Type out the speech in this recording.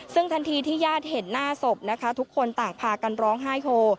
ซึ่งทันทีที่ญาติเห็นหน้าศพนะคะทุกคนต่างพากันร้องไห้โฮ